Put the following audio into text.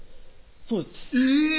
そうです